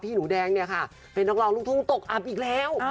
หนูแดงเนี่ยค่ะเป็นนักร้องลูกทุ่งตกอับอีกแล้ว